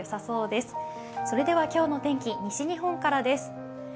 それでは今日の天気、西日本からです。